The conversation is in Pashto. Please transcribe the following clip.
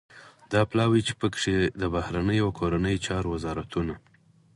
دا پلاوی چې پکې د بهرنیو او کورنیو چارو وزارتون